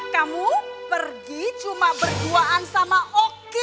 kamu pergi cuma berduaan sama oki